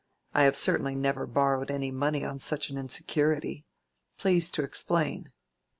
I have certainly never borrowed any money on such an insecurity. Please do explain."